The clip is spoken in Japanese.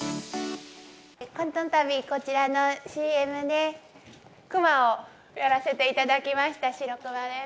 このたび、こちらのＣＭでくまをやらせていただきました、しろくまです。